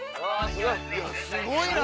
すごいな！